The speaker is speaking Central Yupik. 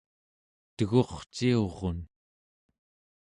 tegurciurun